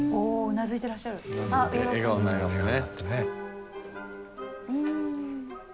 頷いて笑顔になりますね。